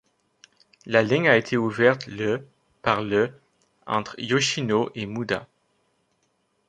La ligne a été ouverte le par le entre Yoshino et Muda.